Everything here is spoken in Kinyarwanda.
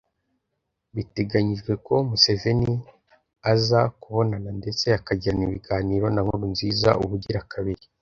Biteganyijwe ko Museveni aza kubonana ndetse akagirana ibiganiro na Nkurunziza ubugira kabiri